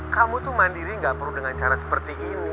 kamu tuh mandiri gak perlu dengan cara seperti ini